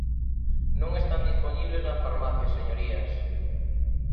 Non están dispoñibles nas farmacias, señorías.